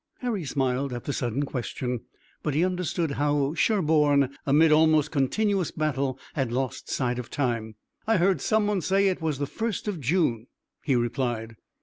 Harry smiled at the sudden question, but he understood how Sherburne, amid almost continuous battle, had lost sight of time. "I heard someone say it was the first of June," he replied.